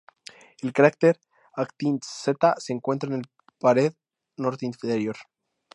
El cráter "Aitken Z" se encuentra en la pared norte interior.